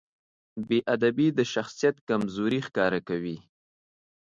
بېادبي د شخصیت کمزوري ښکاره کوي.